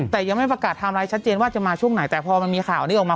แต่ยังไม่ประกาศไทม์ไลน์ชัดเจนว่าจะมาช่วงไหนแต่พอมันมีข่าวนี้ออกมา